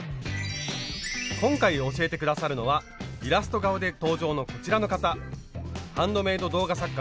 今回教えて下さるのはイラスト顔で登場のこちらの方。